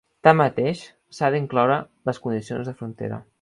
Tanmateix, també s'ha d'incloure les condicions de frontera.